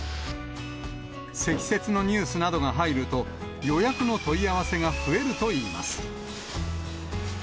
積雪のニュースなどが入ると、予約の問い合わせが増えるといいます。